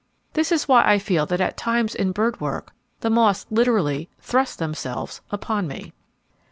This is why I feel that at times in bird work the moths literally 'thrust themselves' upon me.